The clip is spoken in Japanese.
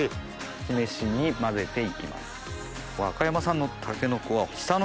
酢飯に混ぜていきます。